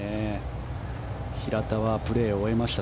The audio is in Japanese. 平田はプレーを終えました。